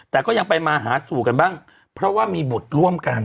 แต่ก็ยังไปมาหาสู่กันบ้างเพราะว่ามีบุตรร่วมกัน